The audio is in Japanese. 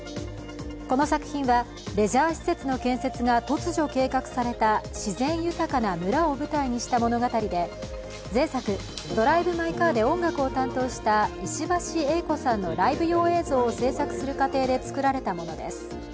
この作品はレジャー施設の建設が突如計画された自然豊かな村を舞台にした物語で、前作「ドライブ・マイ・カー」で音楽を担当した石橋英子さんのライブ用映像を制作する過程で作られたものです。